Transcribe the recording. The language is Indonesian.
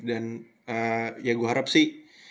dan ya gue harap sih